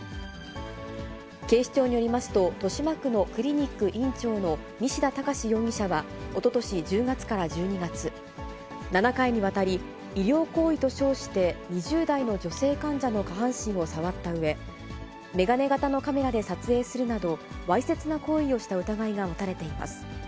警視庁によりますと、豊島区のクリニック院長の西田隆容疑者は、おととし１０月から１２月、７回にわたり、医療行為と称して、２０代の女性患者の下半身を触ったうえ、眼鏡型のカメラで撮影するなど、わいせつな行為をした疑いが持たれています。